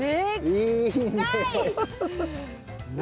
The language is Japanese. いいねえ。